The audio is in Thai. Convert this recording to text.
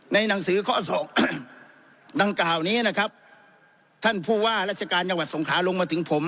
หนังสือข้อสองดังกล่าวนี้นะครับท่านผู้ว่าราชการจังหวัดสงขาลงมาถึงผม